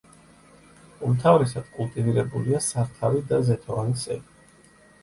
უმთავრესად კულტივირებულია სართავი და ზეთოვანი სელი.